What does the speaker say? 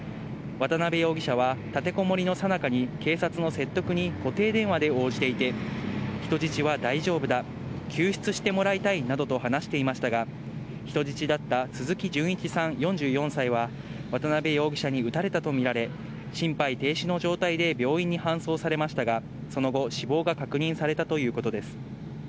渡辺容疑者は立てこもりの最中に警察の説得に固定電話で応じていて、人質は大丈夫だ、救出してもらいたいなどと話していましたが、人質だった鈴木純一さん、４４歳は渡辺容疑者に撃たれたとみられ、心肺停止の状態で病院に搬送されましたがその後、死亡が確認されたということです。